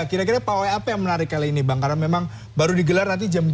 kira kira pawai apa yang menarik kali ini bang karena memang baru digelar nanti jam dua puluh